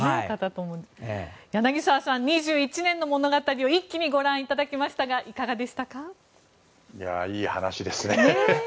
柳澤さん、２１年の物語を一気にご覧いただきましたがいい話ですね。